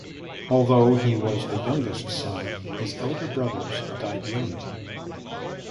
Although he was the youngest son, his elder brothers died young.